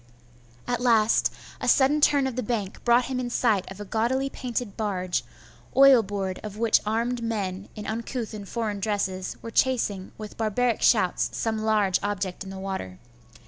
At last, a sudden turn of the bank brought him in sight of a gaudily painted barge, oil board of which armed men, in uncouth and foreign dresses, were chasing with barbaric shouts some large object in the water.